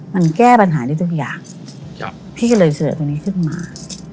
มันแก้ปัญหาได้ทุกอย่างพี่ก็เลยเสนอตัวนี้ขึ้นมา